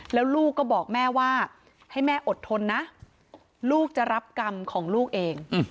แล้วลูกก็บอกแม่ว่าให้แม่อดทนนะลูกจะรับกรรมของลูกเอง